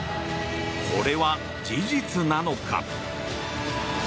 これは事実なのか。